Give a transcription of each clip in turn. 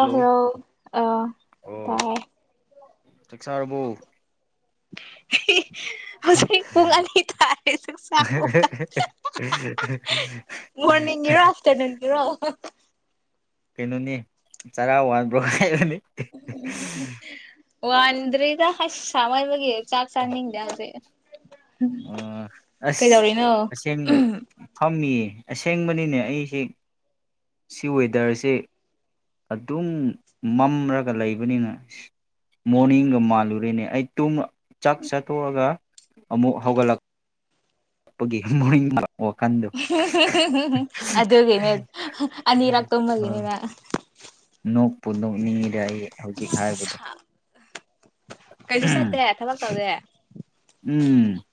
ꯑ ꯍꯣ ꯑ ꯇꯥꯏ [unintelligible] ꯆꯥꯛꯆꯥꯥꯔꯕꯨ [unintelligible] ꯍꯧꯖꯤꯛ ꯄꯨꯡ ꯑꯅꯤ ꯊꯥꯔꯦꯁꯨ ꯆꯥꯛ ꯃꯣꯔꯅꯤꯡꯒꯤꯔꯣ ꯑꯥꯐꯇꯔꯅꯨꯟꯒꯤꯔꯣ [unintelligible] ꯀꯩꯅꯣꯅꯤ ꯆꯔꯥ ꯋꯥꯜ ꯥ [unintelligible] ꯋꯥꯜꯗ꯭ꯔꯤꯗ ꯍꯥꯁ ꯁꯥꯏ ꯍꯥꯏꯕꯒꯤ ꯆꯥꯛ ꯆꯥꯅꯤꯡꯗ ꯍꯧꯁꯦ ꯑꯣ ꯑꯁ ꯀꯩꯗꯧꯔꯤꯅꯣ ꯑꯁꯦꯡ ꯐꯝꯃꯤꯌꯦ ꯑꯁꯦꯡꯕꯅꯤꯅꯦ ꯑꯩꯁꯤ ꯁꯤ ꯋꯦꯗꯔꯁꯦ ꯑꯗꯨꯝ ꯃꯝꯔꯒ ꯂꯩꯕꯅꯤꯅ ꯃꯣꯔꯅꯤꯡꯒ ꯃꯥꯜꯂꯨꯔꯦꯅꯦ ꯑꯩ ꯇꯨꯝ ꯆꯥꯛ ꯆꯥꯠꯇꯣꯛꯑꯒ ꯑꯃꯨꯛ ꯍꯧꯒꯠꯂꯛ [unintelligible] ꯑꯗꯨꯒꯦꯅꯦ ꯑꯅꯤꯔꯥꯛ ꯇꯒꯦꯅꯦꯅ ꯅꯣꯛꯄꯨ ꯅꯣꯛꯅꯤꯡꯉꯤꯗ ꯑꯩ ꯍꯧꯖꯤꯛ ꯍꯥꯏꯕꯗꯣ ꯀꯩꯁꯨ ꯆꯠꯇꯦ ꯊꯕꯛ ꯇꯧꯗꯦ [unintelligible]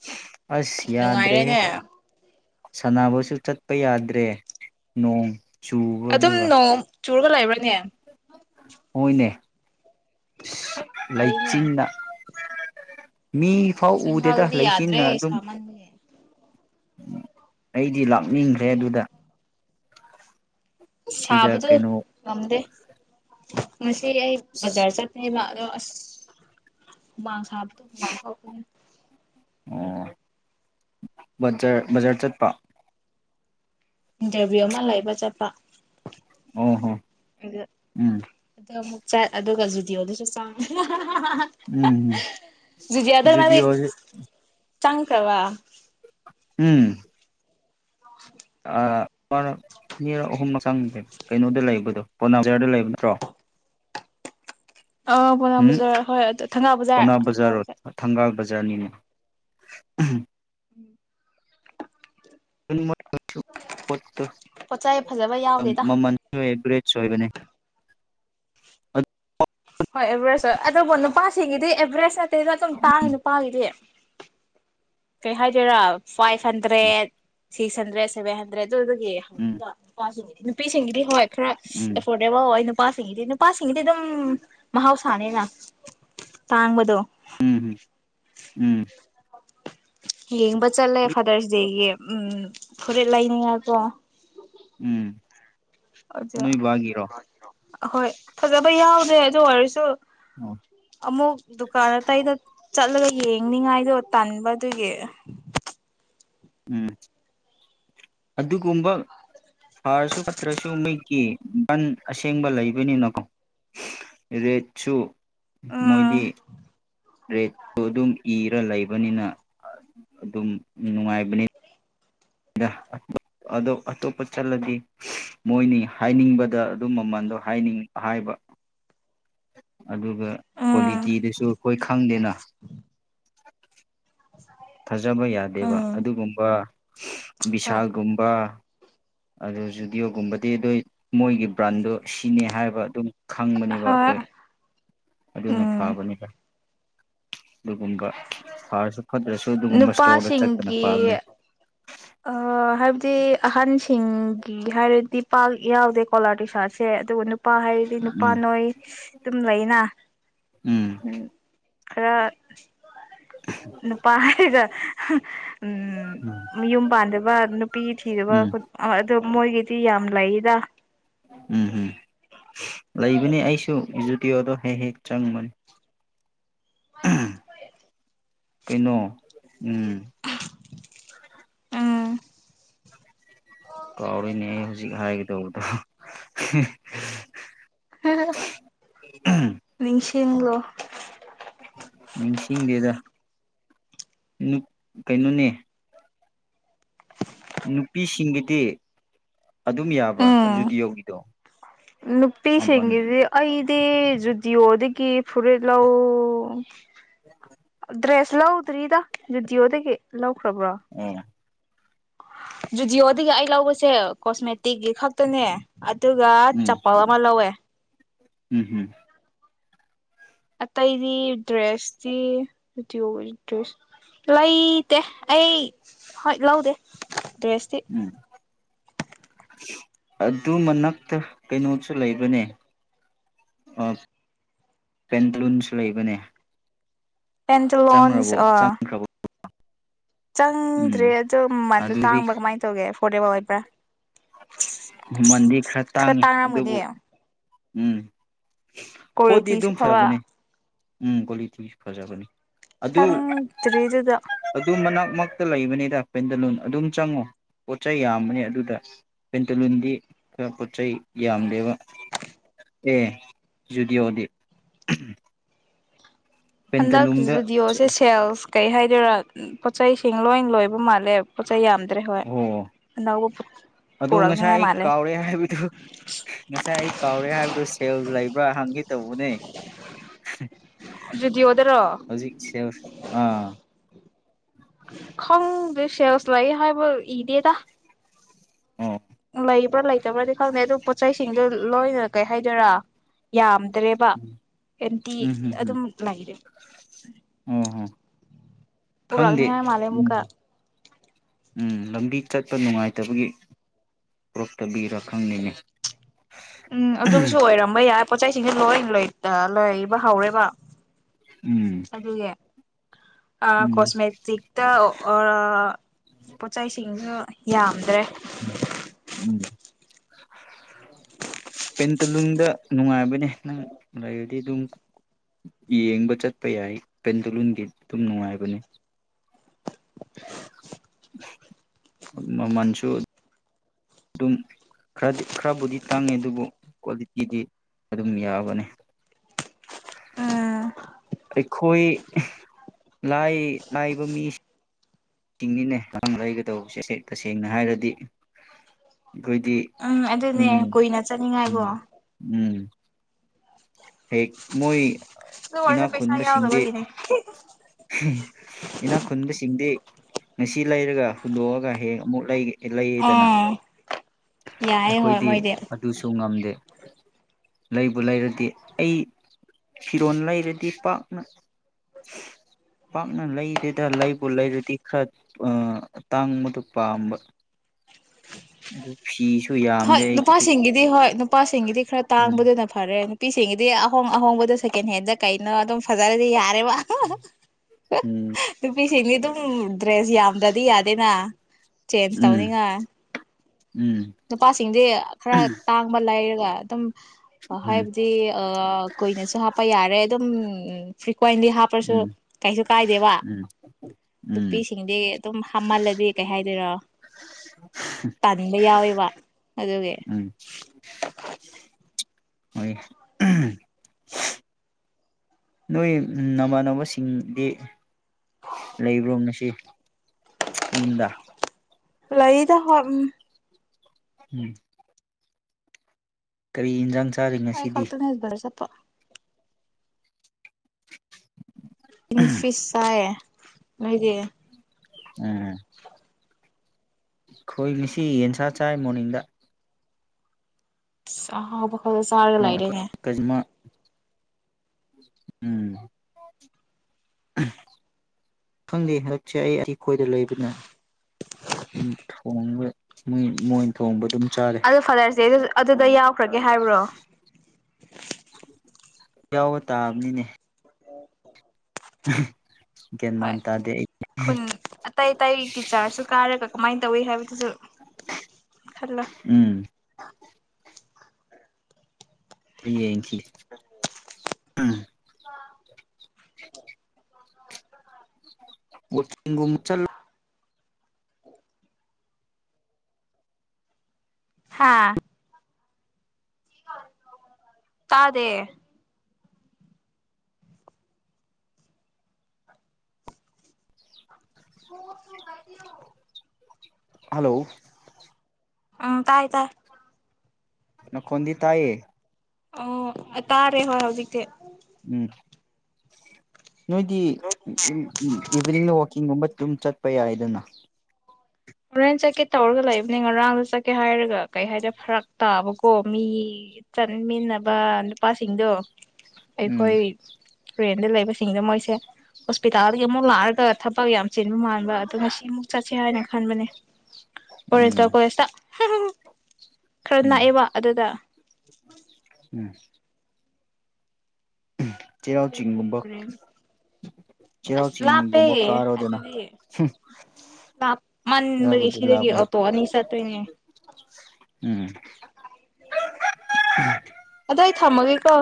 [unintelligible] ꯑꯁ ꯌꯥꯗꯔꯦ ꯅꯨꯡꯉꯥꯏꯔꯦꯅꯦ ꯁꯥꯟꯅꯕꯁꯨ ꯆꯠꯄ ꯌꯥꯗ꯭ꯔꯦ ꯅꯣꯡ ꯑꯗꯨꯝ ꯆꯨꯕꯗꯨꯒ ꯅꯣꯡ ꯆꯨꯔꯒ ꯂꯥꯏꯕ꯭ꯔꯅꯦ ꯑꯣꯏꯅꯦ ꯁ ꯐꯩꯅꯦ ꯂꯩꯆꯤꯟꯅ ꯃꯤ ꯐꯥꯎ ꯎꯗꯦꯗ ꯏꯝꯐꯥꯜꯗꯗꯤ ꯌꯥꯗ꯭ꯔꯦ ꯂꯩꯆꯤꯟꯅ ꯑꯗꯨꯝ [inaudible] ꯁꯥꯃꯟꯕꯒꯤ [unintelligible] ꯑꯩꯗꯤ ꯂꯥꯛꯅꯤꯡꯈ꯭ꯔꯦ ꯑꯗꯨꯗ ꯁꯤꯗ ꯁꯥꯕꯗꯨ ꯀꯩꯅꯣ ꯉꯝꯗꯦ ꯉꯁꯤ ꯑꯩ ꯕꯖꯥꯔ ꯆꯠꯄꯅꯤꯅ ꯑꯁ ꯍꯨꯃꯥꯡꯁꯤ ꯅꯥꯗꯤ ꯗꯨꯝ ꯍꯨꯃꯥꯡ ꯊꯣꯔꯛꯄꯅꯦ ꯑꯣ ꯕꯖꯔ ꯕꯖꯔ ꯆꯠꯄ ꯏꯟꯇꯔꯚꯤꯌꯨ ꯑꯃ ꯂꯩꯕ ꯆꯠꯄ ꯑꯣ ꯍꯣ ꯑꯗ ꯎꯝ ꯑꯗ ꯑꯃꯨꯛ ꯆꯥꯏ ꯑꯗꯨꯒꯖꯨ ꯑꯗꯨꯗꯤꯑꯣ ꯑꯗꯨꯁꯨꯁꯥꯡ [unintelligible] ꯍꯥ ꯍꯥ ꯍꯥ ꯎꯝ ꯎꯝ ꯖꯨꯗꯤꯑꯥꯗ ꯃꯥꯂꯤꯛ ꯖꯨꯗꯤꯑꯣꯖꯨ ꯆꯪꯈꯔꯕ ꯎꯝ ꯑꯥ ꯑꯥ ꯑꯅꯤꯔꯛ ꯑꯍꯨꯝꯂꯛ ꯆꯪꯒꯔ꯭ꯦꯗ ꯀꯩꯅꯣꯗ ꯂꯩꯕꯗꯣ ꯄꯣꯅꯥꯕꯖꯥꯔꯗ ꯂꯩꯕ ꯅꯠꯇ꯭ꯔꯣ ꯑ ꯄꯧꯅꯥ ꯎꯝ ꯕꯖꯥꯔ ꯍꯣꯏ ꯑꯗꯨ ꯊꯪꯒꯥꯜ ꯕꯖꯥꯔ ꯊꯪꯒꯥꯜ ꯕꯖꯥꯔ ꯎꯝ ꯎꯝꯍꯨꯝ [inaudible] ꯄꯣꯠ ꯆꯩ ꯐꯖꯕ ꯌꯥꯎꯗꯦꯗ ꯁꯣꯏꯕꯅꯦ ꯑꯗ ꯑꯛ ꯍꯣꯏ ꯑꯦꯚꯔꯦꯁ ꯑꯣꯏ ꯑꯗꯣꯕꯣ ꯅꯨꯄꯥꯁꯤꯒꯤꯗꯤ ꯑꯦꯚꯔꯦꯁ ꯅꯠ ꯇꯨꯔꯤꯖꯨ ꯑꯗꯨꯝ ꯇꯥꯡꯉꯤ ꯅꯨꯄꯥꯒꯤꯗꯤ ꯀꯩ ꯍꯥꯏꯗꯣꯏꯔꯥ five hundred six hundred seven hundred ꯑꯗꯨꯗꯨꯒꯤ ꯎꯝ ꯍꯪꯉꯒ ꯅꯨꯄꯥꯖꯨꯅꯤ ꯅꯨꯄꯤꯁꯤꯡꯒꯤꯗꯤ ꯍꯣꯏ ꯈꯔ ꯁ ꯎꯝ ꯑꯦꯐꯣꯔꯗꯦꯕꯜ ꯑꯣꯏ ꯅꯨ ꯅꯨꯄꯥꯁꯤꯡꯒꯤꯗꯤ ꯅꯨꯄꯥꯁꯤꯡꯒꯤꯗꯤ ꯑꯗꯨꯝ ꯃꯍꯥꯎꯁꯥꯅꯤꯅ ꯇꯥꯡꯕꯗꯣ ꯎꯝꯍꯨꯝ ꯎꯝ ꯌꯦꯡꯕ ꯆꯠꯂꯦ ꯐꯗꯔꯁ ꯗꯦꯒꯤ ꯎꯝ ꯐꯨꯔꯤꯠ ꯂꯩꯅꯤꯉꯀꯣ ꯎꯝ ꯅꯣꯏ ꯕꯥꯒꯤꯔꯣ ꯑꯍꯣꯏ ꯐꯖꯕ ꯌꯥꯎꯗꯦ ꯑꯗꯨ ꯑꯣꯏꯔꯁꯨ ꯑꯣ ꯑꯃꯨꯛ ꯗꯨꯀꯥꯟ ꯑꯇꯩꯗ ꯆꯠꯂꯒ ꯌꯦꯡꯅꯤꯉꯥꯏꯗꯣ ꯇꯟꯥꯟꯕꯗꯨꯒꯤ ꯎꯝ ꯑꯗꯨꯒꯨꯝꯕ ꯊꯥꯔꯁꯨ ꯐꯠꯇ꯭ꯔꯁꯨ ꯃꯀꯤ ꯕꯟ ꯑꯁꯦꯡꯕ ꯂꯩꯕꯅꯤꯅꯀꯣ ꯔꯦꯠꯁꯨ ꯃꯣꯏꯗꯤ ꯎꯝ ꯈꯔ ꯂꯩꯕꯅꯤꯅ ꯑꯗꯨꯝ ꯅꯨꯡꯉꯥꯏꯕꯅꯤ ꯑꯇꯣꯞꯄ ꯆꯠꯂꯗꯤ ꯃꯣꯏꯅꯤ ꯍꯥꯏꯅꯤꯡꯕꯗ ꯑꯗꯨꯝ ꯃꯃꯜꯗꯣ ꯍꯥꯏꯅꯤꯡ ꯍꯥꯏꯕ ꯎ ꯑꯗꯨꯒ ꯎꯝ ꯀ꯭ꯋꯥꯂꯤꯇꯤꯗꯁꯨ ꯑꯩꯈꯣꯏ ꯈꯪꯗꯦꯅ ꯊꯥꯖꯕ ꯌꯥꯗꯦꯕ ꯎꯝ ꯑꯗꯨꯒꯨꯝꯕ ꯕꯤꯁꯥꯜꯒꯨꯝꯕ ꯑꯗꯨ ꯖꯨꯗꯤꯑꯣꯒꯨꯝꯕꯗꯤ ꯑꯗꯨ ꯃꯣꯏꯒꯤ ꯕ꯭ꯔꯥꯟꯗꯣ ꯁꯤꯅꯤ ꯍꯥꯏꯕ ꯑꯗꯨꯝ ꯈꯪꯕꯅꯦꯕ ꯍꯣꯏ ꯑꯩꯈꯣꯏ ꯑꯗꯨꯅ ꯎꯝ ꯐꯕꯅꯤꯕ ꯑꯗꯨꯒꯨꯝꯕ ꯐꯥꯔꯁꯨ ꯐꯗ꯭ꯔꯁꯨ ꯑꯗꯨꯒꯨꯝꯕ ꯏꯁꯇꯣꯔꯜꯗ ꯆꯠꯇꯅ ꯄꯥꯝꯃꯤ ꯑ ꯍꯥꯏꯕꯗꯤ ꯑꯍꯟꯁꯤꯡꯒꯤ ꯍꯥꯏꯔꯗꯤ ꯄꯥꯛ ꯌꯥꯎꯗꯦ ꯀꯣꯂꯥ ꯇꯨꯁꯥꯠꯁꯦ ꯑꯗꯨꯒ ꯅꯨꯄꯥ ꯍꯥꯏꯔꯗꯤ ꯅꯨꯄꯥ ꯎꯝ ꯅꯣꯏ ꯑꯗꯨꯝ ꯂꯩꯅ ꯎꯝ ꯈꯔ ꯅꯨꯄꯥ ꯍꯥꯏꯔꯒ ꯎ ꯎꯝ ꯃꯌꯨꯝ ꯄꯥꯟꯗꯕ ꯅꯨꯄꯤ ꯊꯤꯗꯕ ꯎꯝ ꯃꯣꯏꯒꯤꯗꯤ ꯌꯥꯝ ꯂꯩꯗ ꯎꯝ ꯎꯝ ꯂꯩꯕꯅꯤ ꯑꯩꯁꯨ ꯖꯨꯇꯌꯣꯗꯣ ꯍꯦꯛ ꯍꯦꯛ ꯆꯪꯕꯅꯤ [inaudible] ꯀꯩꯅꯣ ꯎꯝ ꯑꯝ ꯀꯥꯎꯔꯤꯅꯦ ꯑꯩ ꯍꯧꯖꯤꯛ ꯍꯥꯏꯒꯗꯧꯕꯗꯣ [inaudible] ꯅꯤꯡ ꯏꯂꯣ ꯅꯤꯡꯁꯤꯡꯗꯦꯗ ꯀꯩꯅꯣꯅꯦ ꯅꯨꯄꯤꯁꯤꯡꯒꯤꯗꯤ ꯑꯗꯨꯝ ꯌꯥꯕ꯭ꯔꯥ ꯖꯨꯗꯤꯌꯣꯒꯤꯗꯣ ꯅꯨꯄꯤꯁꯤꯡꯒꯤꯗꯤ ꯑꯩ [unintelligible] ꯖꯤꯑꯣꯗꯒꯤ ꯐꯨꯔꯤꯠ ꯂꯧ ꯑꯣ [inaudible] ꯗ꯭ꯔꯦꯁ ꯂꯑꯣꯇ꯭ꯔꯤꯗ ꯌꯗꯤꯑꯣꯗꯒ ꯂ ꯈꯕ꯭ꯔꯥ ꯑꯣ ꯖꯨꯗꯤꯌꯑꯣꯗꯒꯤ ꯑꯩ ꯂꯧꯕꯁꯦ ꯀꯣꯁꯃꯦꯇꯤꯛꯀꯤ ꯈꯛꯇꯅꯦ ꯑꯗꯨꯒ ꯎꯝ ꯆꯄꯜ ꯑꯃ ꯂꯧꯋꯦ ꯎꯝ ꯍꯝ ꯑꯇꯩꯗꯤ ꯗ꯭ꯔꯦꯁꯇꯤ ꯗ꯭ꯔꯦꯁ ꯂꯩꯇꯦ ꯑꯩ ꯍꯣꯏ ꯂꯧꯗꯦ ꯗ꯭ꯔꯣꯏꯁꯇ ꯎꯝ ꯑꯗꯨ ꯃꯛꯇ ꯀꯩꯅꯣꯁꯨ ꯂꯩꯕꯅꯦ ꯄꯦꯟꯟꯁꯨ ꯂꯩꯕꯅꯦ ꯄꯦꯟꯇ ꯂꯣꯟꯁ ꯆꯪꯈ꯭ꯔꯕꯣ ꯑ ꯆꯪꯈ꯭ꯔꯕꯣ ꯎꯝ ꯆꯪꯗ꯭ꯔꯦ ꯑꯗꯣ ꯃꯃꯟꯗꯣ ꯇꯥꯡꯕ ꯀꯃꯥꯏꯅ ꯇꯧꯒꯦꯕ ꯕ ꯑꯩꯕ ꯃꯃꯟꯗꯤ ꯈꯔ ꯇꯥꯡꯉꯤ ꯑꯗꯨꯕꯨ ꯎꯝ ꯄꯣꯠꯇꯤ ꯀꯁꯤꯁꯤ ꯑꯗꯨꯝ ꯈꯕꯕꯥ ꯐꯕꯅꯦ ꯎꯝ ꯀꯣ ꯊ ꯐꯖꯕꯅꯤ ꯑꯗꯨ ꯆꯪꯔꯤꯗꯨꯗ ꯍꯛꯇ ꯂꯩꯕꯅꯤꯗ ꯄꯦꯟꯗꯂꯨꯟ ꯑꯗꯨꯝ ꯆꯪꯉꯣ ꯄꯣꯠ ꯆꯩꯩ ꯌꯥꯝꯕꯅꯦ ꯑꯗꯨꯗ ꯄꯦꯟꯇꯂꯨꯟꯗꯤ ꯈꯔ ꯄꯣꯠ ꯆꯩ ꯌꯥꯝꯗꯦꯕ ꯑꯦ ꯌꯨꯗꯤꯑꯣꯗꯤ ꯍꯗꯗꯤꯑꯣꯁꯦ ꯁꯦꯜꯁ ꯀꯩ ꯍꯥꯏꯗꯣꯏꯔꯥ ꯄꯣꯠꯆꯩꯁꯤꯡ ꯂꯣꯏ ꯂꯣꯏꯕ ꯃꯥꯜꯂꯦ ꯄꯣꯠ ꯆꯩꯩ ꯌꯥꯝ ꯑꯣ ꯑꯗꯣ ꯉꯁꯥꯏ ꯄꯨꯔꯛꯅꯤꯉꯥꯏ ꯑꯩ ꯃꯥꯜꯂꯦ ꯀꯥꯎꯔꯦ ꯍꯥꯏꯕꯗꯨ ꯉꯁꯥꯏ ꯑꯩ ꯀꯥꯎꯔꯦ ꯍꯥꯏꯕꯗꯨ ꯁꯦꯜ ꯂꯩꯕ꯭ꯔꯥ ꯍꯪꯒꯦ ꯇꯧꯕ ꯅ ꯑꯗꯨꯗꯤ ꯑꯣꯗꯔꯣ ꯑꯥ ꯈꯪ ꯁꯦꯌꯥꯁ ꯂꯥꯏ ꯍ ꯏꯗꯦꯗ ꯑꯣ ꯂꯩꯕ꯭ꯔꯥ ꯂꯩꯇꯕ꯭ꯔꯗꯤ ꯈꯪꯗꯦ ꯑꯗꯨ ꯄꯣꯠ ꯆꯩꯁꯤꯡꯗꯨ ꯂꯣꯏꯅ ꯀꯩ ꯍꯥꯏꯗꯣꯏꯔꯥ ꯌꯥꯝ ꯗꯔꯦꯕ ꯑꯦꯟꯇꯤ ꯎꯝ ꯍꯝ ꯍꯝ ꯑꯗꯨꯝ ꯂꯩꯔꯦ ꯑꯣ ꯍꯣ ꯈꯪꯗꯦ ꯄꯨꯔꯛꯅꯤꯉꯥꯏ ꯃꯥꯜꯂꯦ ꯎꯝ ꯑꯃꯨꯛꯀ ꯎꯝ ꯂꯝꯕꯤ ꯆꯠꯄ ꯅꯨꯡꯉꯥꯏꯇꯕꯒꯤ ꯄꯨꯔꯛꯇꯕꯤꯔ ꯈꯪꯅꯤꯡꯅꯤ ꯎꯝ ꯑꯗꯨꯒꯤꯁꯨ ꯑꯣꯏꯔꯝꯕ ꯌꯥꯏ ꯄꯣꯠ ꯆꯩꯁꯤꯡꯁꯦ ꯂꯣꯏ ꯂꯩꯣꯏꯕ ꯍꯧꯔꯦꯕ ꯎꯝ ꯑꯗꯨꯒꯤ ꯎꯝ ꯀꯣꯁꯃꯦꯇꯤꯛꯇ ꯄꯣꯠ ꯆꯩꯁꯤꯡꯁꯨ ꯌꯥꯝꯗ꯭ꯔꯦ ꯎꯝ ꯄꯦꯟꯇꯣꯂꯨꯟꯗ ꯅꯨꯡꯉꯥꯏꯕꯅꯦ ꯅꯪ ꯂꯩꯕꯗꯤ ꯑꯗꯨꯝ ꯌꯦꯡꯕ ꯆꯠꯄ ꯌꯥꯏ ꯄꯦꯟꯇꯣꯂꯨꯟꯒꯤ ꯑꯗꯨꯝ ꯅꯨꯡꯉꯥꯏꯕꯅꯦ ꯃ ꯃꯁꯨꯨ ꯑꯗꯨꯝ ꯈꯔꯗꯤ ꯈꯔꯕꯨꯗꯤ ꯇꯥꯡꯉꯤ ꯑꯗꯨꯕꯨ ꯀ꯭ꯋꯥꯂꯤꯇꯤꯗꯤ ꯑꯗꯨꯝ ꯌꯥꯕꯅꯤ ꯎꯝ [unintelligible] ꯑꯩꯈꯣꯏ ꯂꯥꯏ ꯂꯥꯏꯕ ꯃꯤ ꯆꯤꯡꯉꯤꯅꯦ ꯑꯍꯪ ꯂꯩꯒ ꯇꯧꯕꯁꯦ ꯇꯁꯦꯡꯅ ꯍꯥꯏꯔꯗꯤ ꯑꯩꯈꯣꯏꯗꯤ ꯎꯝ ꯑꯗꯨꯅꯦ ꯎꯝ ꯀꯨꯏꯅ ꯆꯠꯅꯤꯡꯉꯥꯏꯕꯣ ꯎꯝ ꯎꯝ ꯍꯦꯛ ꯃꯣꯏꯣꯏ ꯑꯗꯨ ꯋꯥꯔꯁ ꯄꯩꯁꯥ ꯌꯥꯎꯕꯂꯒꯅꯦ ꯏꯅ ꯈꯨꯟꯗ ꯁꯤꯡꯗꯤ ꯉꯁꯤ ꯂꯩꯔꯒ ꯍꯨꯟꯗꯣꯛꯑꯒ ꯍꯌꯦꯡ ꯑꯃꯨꯛ ꯂꯩꯒꯦ ꯏ ꯂꯩꯗꯅ ꯎꯝ ꯌꯥꯏꯌꯦ ꯍꯣꯏ ꯑꯩꯈꯣꯏꯗꯤ ꯃꯣꯏꯗꯤ ꯑꯗꯨꯁꯨ ꯉꯝꯃꯤ ꯂꯩꯕꯨ ꯂꯩꯔꯗꯤ ꯑꯩ ꯐꯤꯔꯣꯟ ꯂꯩꯔꯗꯤ ꯄꯥꯛꯅ ꯄꯥꯛꯅ ꯂꯩꯗꯗ ꯂꯩꯕꯨ ꯂꯩꯔꯗꯤ ꯈꯔ ꯇꯥꯡꯕꯗꯨ ꯄꯥꯝꯕ ꯑꯗꯨ ꯐꯤꯁ ꯍꯣꯏ ꯅꯨꯄꯥꯁꯤꯡꯒꯤꯗꯤ ꯍꯣꯏ ꯅꯨꯄꯥꯁꯤꯡꯒꯤꯗꯤ ꯈꯔ ꯎꯝ ꯇꯥꯡꯕꯗꯨꯅ ꯐꯔꯦ ꯅꯨꯄꯤꯁꯤꯡꯒꯤꯗꯤ ꯑꯍꯣꯡ ꯑꯍꯣꯡꯕꯗꯣ ꯁꯦꯀꯦꯟ ꯍꯦꯟꯗ ꯀꯩꯅꯣ ꯑꯗꯨꯝ ꯐꯖꯔꯗꯤ ꯌꯥꯏ ꯎꯝ [inaudible] ꯁꯤꯃꯤꯗ ꯗ꯭ꯔꯦꯁ ꯌꯥꯝꯗ꯭ꯔꯗꯤ ꯌꯥꯗꯦꯅ ꯆꯦꯟꯖ ꯎꯝ ꯇꯧꯅꯤꯉꯥꯏ ꯎꯝ ꯅꯨꯄꯥꯁꯤꯡꯗꯤ ꯈꯔ ꯇꯥꯡꯕ ꯂꯩꯔꯒ ꯑꯗꯨꯝ ꯎꯝ ꯍꯥꯏꯕꯗꯤ ꯑ ꯀꯨꯏꯅꯁꯨ ꯍꯥꯞꯄ ꯌꯥꯔꯦ ꯑꯗꯨꯝ ꯎ ꯀꯣꯏꯟꯗꯤ ꯎꯝ ꯍꯥꯞꯄ꯭ꯔꯁꯨ ꯀꯩꯁꯨ ꯀꯥꯏꯗꯦꯕ ꯎꯝ ꯎꯝ ꯅꯨꯄꯤꯁꯤꯡꯗꯤ ꯑꯗꯨꯝ ꯍꯥꯞꯃꯜꯂꯗꯤ ꯀꯩ ꯍꯥꯏꯗꯣꯏꯔꯣ ꯇꯥꯅꯤꯡꯕ ꯌꯥꯎꯋꯦꯕ ꯑꯗꯨꯒꯤ ꯎꯝ ꯍꯣꯏ ꯅꯣꯏ ꯅꯃꯥꯟꯅꯕꯁꯤꯡꯗꯤ ꯂꯩꯕ꯭ꯔꯣꯅ ꯁꯤ ꯌꯨꯝꯗ ꯂꯩꯗ ꯍꯣꯏ ꯎ ꯎꯝ ꯀꯔꯤ ꯏꯟꯖꯥꯡꯁ ꯀꯥꯏ ꯀꯣꯣꯛꯇꯣꯏꯅ ꯍꯕꯔꯣ ꯆꯣ [inaudible] ꯏ ꯐꯤꯁꯁꯥꯏ ꯂꯩꯣꯏꯗꯤ ꯎꯝ ꯑꯩꯣꯏ ꯉꯁꯤ ꯌꯦꯟꯁꯥ ꯆꯥꯏ ꯃꯣꯔꯅꯤꯡꯗ ꯑ ꯍꯕ ꯍꯗ ꯆꯔꯒ ꯑꯩꯈꯣꯏ ꯂꯥꯏꯔꯦꯅꯦ ꯀꯩꯃ ꯎꯝ ꯈꯪꯗꯦ ꯍꯟꯗꯛꯁꯦ ꯑꯩ ꯑꯩꯈꯣꯏꯗ ꯂꯩꯕꯅ ꯑꯗꯨꯝ ꯃꯣꯏ ꯊꯣꯡꯕ ꯑꯗꯨꯝ ꯆꯥꯔꯦ ꯑꯗꯨ ꯐꯂꯥꯔꯁꯤꯦ ꯑꯗꯨꯗ ꯌꯥꯎ ꯈ꯭ꯔꯒꯦ ꯍꯥꯏꯕ꯭ꯔꯣ ꯌꯥꯎꯕ ꯇꯥꯕꯅꯤꯅꯦ ꯎ ꯍꯣꯏ ꯈꯨꯟ ꯑꯇꯩ ꯑꯇꯩꯒꯤ ꯆꯥꯔꯁꯨ ꯀꯥꯔꯒ ꯀꯃꯥꯏꯅ ꯇꯧꯋꯤ ꯍꯥꯏꯕꯗꯨꯁꯨ ꯈꯜꯂꯣ ꯎꯝ ꯌꯦ ꯎꯝ [inaudible] ꯒ ꯆ ꯎ ꯍꯥꯥ ꯇꯥꯗꯦ ꯍꯁꯨ ꯍꯜꯂꯣ ꯎ ꯇꯥꯏ ꯇ ꯅꯈꯣꯟꯗꯤ ꯇꯌꯦ ꯑꯣ ꯇꯥꯔꯦ ꯍꯣꯏ ꯍꯧꯖꯤꯛꯇꯤꯦ ꯎꯝ ꯅꯣꯏꯗꯤ ꯏꯚꯤꯅꯤꯡꯗ ꯋꯥꯛꯀꯤꯡꯒꯨꯝꯕ ꯑꯗꯨꯝ ꯆꯠꯄ ꯌꯥꯏꯗꯅ ꯍꯣꯔꯦꯟ ꯆꯠꯀꯦ ꯇꯧꯔꯒ ꯂꯩꯕꯅꯤ ꯉꯔꯥꯡꯗ ꯆꯠꯀꯦ ꯍꯥꯏꯔꯒ ꯀꯩ ꯍꯥꯏꯗ ꯐꯔꯛ ꯇꯥꯕꯀꯣ ꯃꯤ ꯆꯠꯃꯤꯟꯅꯕ ꯅꯨꯄꯥꯁꯤꯡꯗꯣ ꯎꯝ ꯑꯩꯈꯣꯏ ꯇꯨꯔꯦꯟꯗ ꯂꯩꯕ ꯁꯤꯡꯖꯃꯩꯁꯦ ꯄꯤꯇꯥꯗꯒꯤ ꯑꯃꯨꯛ ꯂꯥꯛꯑꯒ ꯊꯕꯛ ꯌꯥꯝ ꯆꯤꯟꯕ ꯃꯥꯟꯕ ꯑꯗꯨꯅ ꯁꯤ ꯑꯃꯨꯛ ꯆꯠꯁꯤ ꯍꯥꯏꯅ ꯈꯟꯕꯅꯦ ꯑꯣꯣꯏꯦ ꯆ ꯎꯝ ꯀꯣꯏꯦꯁ ꯍ ꯎꯝ ꯀꯔꯅꯑ ꯋꯥ ꯑꯗꯨꯗ ꯎꯝ ꯆꯩꯔꯥꯎ ꯆꯠꯇꯣꯏꯅꯤ ꯆꯤꯡꯒꯨꯝꯕ ꯍꯣꯔꯦꯟ ꯆꯩꯔꯥꯎ ꯑꯁ ꯂꯥꯞꯄꯦ ꯆꯤꯡꯒꯨꯝꯕ ꯀꯥꯔꯣꯗꯅ ꯑꯗꯨꯗꯤ ꯂꯥꯞꯃꯟꯕꯒꯤ ꯑꯕꯨꯗꯤ ꯁꯤꯗꯒꯤ ꯂꯥꯛꯞꯄꯅꯤ ꯑꯣꯇꯣ ꯑꯅꯤ ꯆꯠꯇꯣꯏꯅꯦ ꯎꯝ ꯊꯃꯒꯦ ꯀꯣ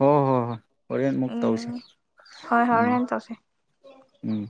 ꯑꯣ ꯍꯣ ꯍ ꯋꯥꯅ ꯃꯨꯛꯇꯛꯇ ꯍꯧꯁ ꯍꯣꯏ ꯎꯝ ꯍꯣꯔꯦꯟ ꯇꯧꯁꯦ ꯎꯝ